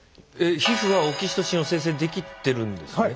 皮膚はオキシトシンを生成できてるんですね。